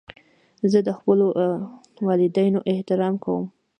زه د خپلو والدینو احترام کوم.